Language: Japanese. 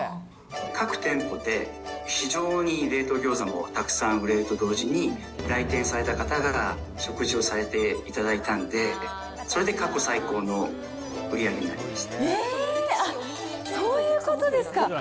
各店舗で非常に冷凍ギョーザもたくさん売れると同時に、来店された方が食事をされていただいたんで、それで過去最高の売えー！そういうことですか。